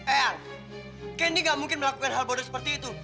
eyang kenny gak mungkin melakukan hal bodoh seperti itu